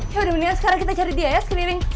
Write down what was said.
ya udah mendingan sekarang kita cari dia ya sekeliling